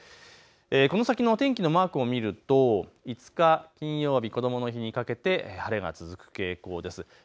この先の天気のマークを見ると５日金曜日、こどもの日にかけて晴れが続く傾向です。